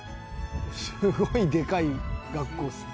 「すごいでかい学校ですね」